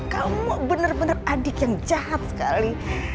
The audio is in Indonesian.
kamu bener bener adik yang jahat sekali